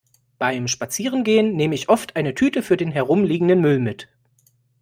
Beim Spazierengehen nehme ich oft eine Tüte für den herumliegenden Müll mit.